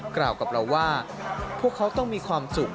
กล่าวกับเราว่าพวกเขาต้องมีความสุข